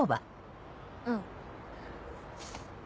うん。